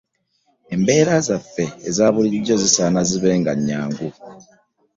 Embeera zaffe eza bulijjo zisaana zibe nga nnyangu.